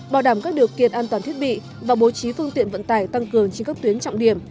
bảo đảm các điều kiện an toàn thiết bị và bố trí phương tiện vận tải tăng cường trên các tuyến trọng điểm